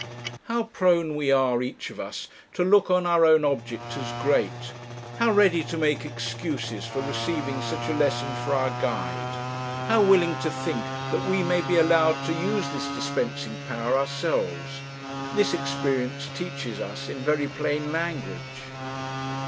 How prone we are, each of us, to look on our own object as great, how ready to make excuses for receiving such a lesson for our guide; how willing to think that we may be allowed to use this dispensing power ourselves this experience teaches us in very plain language.